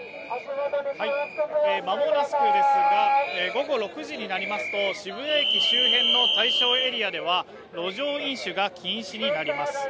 間もなくですが、午後６時になりますと渋谷駅周辺の対象エリアでは路上飲酒が禁止になります。